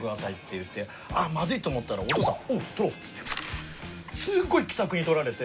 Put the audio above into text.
あっまずいと思ったらお父さん「うん。撮ろう」っつってすっごい気さくに撮られて。